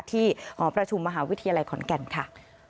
หอประชุมมหาวิทยาลัยขอนแก่นค่ะ